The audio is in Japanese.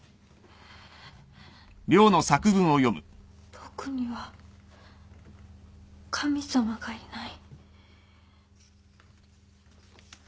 「僕には神様がいない」